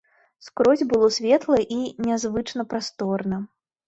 Скрозь было светла і нязвычна прасторна.